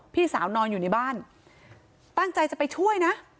พี่สาวนอนอยู่ในบ้านตั้งใจจะไปช่วยนะ